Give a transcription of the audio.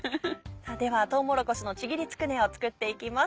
ではとうもろこしのちぎりつくねを作っていきます。